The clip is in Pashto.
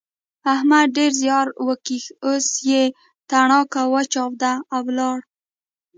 احمد ډېر زیار وکيښ اوس يې تڼاکه وچاوده او ولاړ.